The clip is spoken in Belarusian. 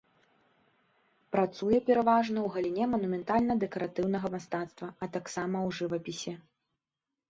Працуе пераважна ў галіне манументальна-дэкаратыўнага мастацтва, а таксама ў жывапісе.